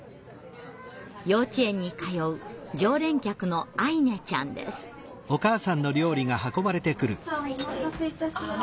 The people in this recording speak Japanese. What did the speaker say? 幼稚園に通う常連客のお待たせいたしました。